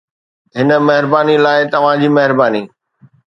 هن مهرباني لاء توهان جي مهرباني